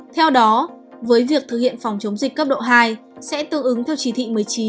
theo đó với việc thực hiện phòng chống dịch cấp độ hai sẽ tương ứng theo chỉ thị một mươi chín